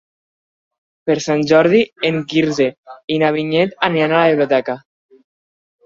Per Sant Jordi en Quirze i na Vinyet aniran a la biblioteca.